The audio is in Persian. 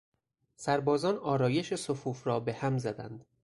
سربازان آرایش صفوف را به هم زدند.